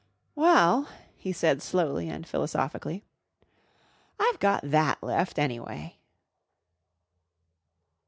"Well," he said slowly and philosophically, "I've got that left anyway."